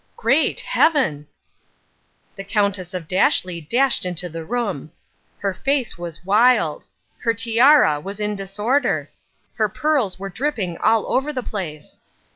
"Great Heaven!" The Countess of Dashleigh dashed into the room. Her face was wild. Her tiara was in disorder. Her pearls were dripping all over the place.